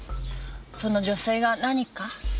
その女性が何か？